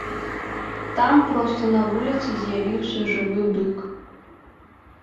Там проста на вуліцы з'явіўся жывы бык.